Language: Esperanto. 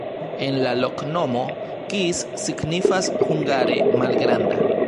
En la loknomo kis signifas hungare: malgranda.